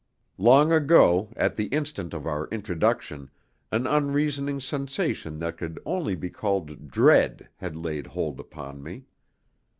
Long ago, at the instant of our introduction, an unreasoning sensation that could only be called dread had laid hold upon me.